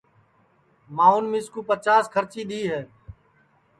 ماںٚو مِسکُو پچاس کھرچی دؔی ہے